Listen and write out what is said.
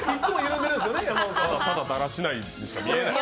ただだらしなくしか見えない。